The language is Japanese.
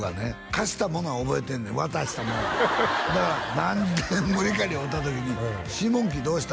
貸した物は覚えてんねん渡したもんはだから何年ぶりかに会うた時にシーモンキーどうした？